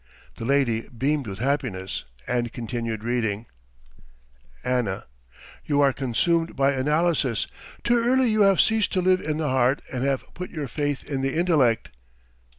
..." The lady beamed with happiness and continued reading: ANNA: You are consumed by analysis. Too early you have ceased to live in the heart and have put your faith in the intellect.